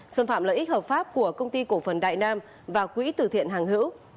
xâm phạm lợi ích hợp pháp của công ty cổ phần đại nam và quỹ tử thiện hàng hữu